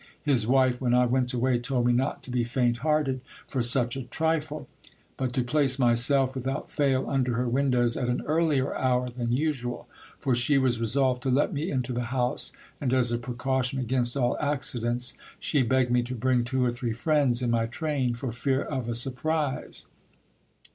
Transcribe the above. His wife, when I went away, told me not to be faint hearted for such a trifle ; but to place myself without fail under her windows at an earlier hour than usual, for she was resolved to let me into the house ; and as a precaution against all accidents, she begged me to bring two or three friends in my train, for fear of a surprise.